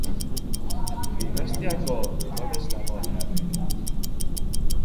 Dinastiako errege hilobietako testu erlijioso tipiko bat.